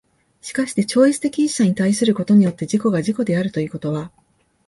しかして超越的一者に対することによって自己が自己であるということは、